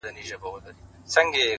• آس هم ښکلی هم د جنګ وي هم د ننګ وي ,